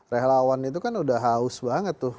rehlawan itu kan sudah haus banget tuh